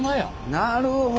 なるほど！